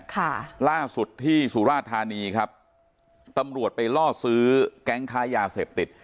ค่ะล่าสุดที่สุราธานีครับตำรวจไปล่อซื้อแก๊งค้ายาเสพติด